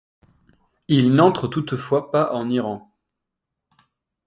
Ils n'entrent toutefois pas en Iran.